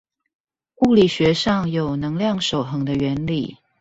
物理學上有能量守恆的原理